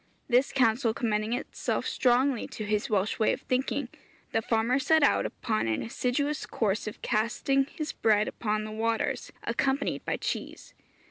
This counsel commending itself strongly to his Welsh way of thinking, the farmer set out upon an assiduous course of casting his bread upon the waters accompanied by cheese.